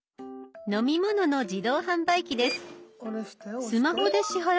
飲み物の自動販売機です。